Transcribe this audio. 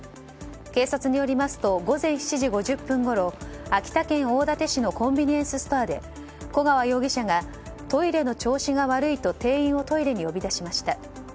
警察によりますと午前７時５０分ごろ秋田県大館市のコンビニエンスストアで古川容疑者がトイレの調子が悪いと店員をトイレに呼び出しました。